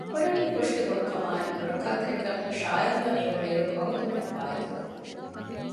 ކުރެވުނު ކުށުގެ ބޮޑުކަމާއި ނުރައްކާތެރިކަން ޝާޔަލްއަށް އެނގުނުއިރު ވަގުތުވަނީ ފާއިތުވެފަ